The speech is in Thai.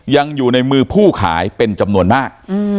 ยังอยู่ในมือผู้ขายเป็นจำนวนมาก